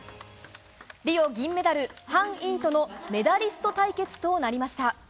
リオ銀メダル、ハン・インとのメダリスト対決となりました。